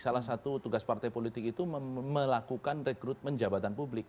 salah satu tugas partai politik itu melakukan rekrutmen jabatan publik